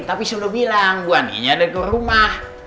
tapi sudah bilang ibu andinnya ada di rumah